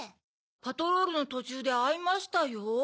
パトロールのとちゅうであいましたよ。